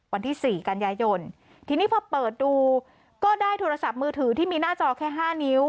วันที่สี่กันยายนทีนี้พอเปิดดูก็ได้โทรศัพท์มือถือที่มีหน้าจอแค่ห้านิ้ว